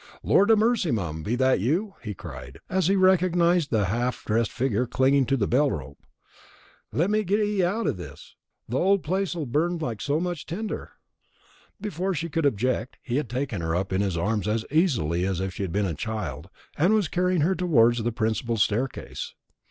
"Lord a mercy, mum, be that you?" he cried, as he recognised the white half dressed figure clinging to the bell rope "let me get 'ee out o' this; the old place'll burn like so much tinder;" and before she could object, he had taken her up in his arms as easily as if she had been a child, and was carrying her towards the principal staircase.